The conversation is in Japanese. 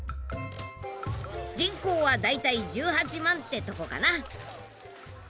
人口は大体１８万ってとこかな。